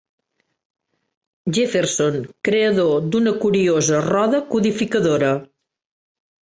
Jefferson —creador d'una curiosa roda codificadora.